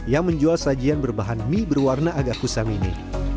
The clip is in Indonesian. yang menjual sajian berbahan mie berwarna agak kusam ini